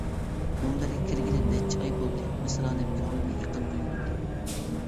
مۇنبەرگە كىرگىلى نەچچە ئاي بولدى، مىسرانىم كۆڭلۈمگە يېقىن تۇيۇلدى.